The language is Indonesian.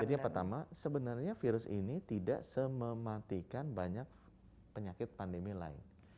jadi yang pertama sebenarnya virus ini tidak semematikan banyak penyakit pandemi lain